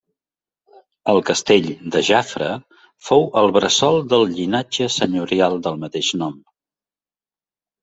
El castell de Jafre fou el bressol del llinatge senyorial del mateix nom.